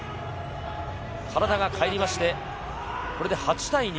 体が返りましてこれで８対２。